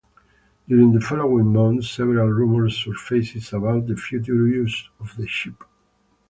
During the following months, several rumours surfaced about the future use of the ship.